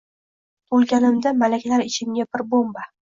Tug’ilganimda malaklar ichimga bir bomba